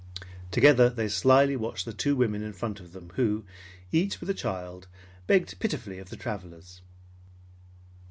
Together they slyly watched the two women in front of them who, each with a child, begged pitifully of the travelers.